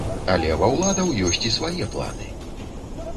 Але ва ўладаў ёсць і свае планы.